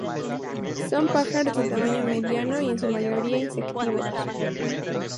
Son pájaros de tamaño mediano y en su mayoría insectívoros.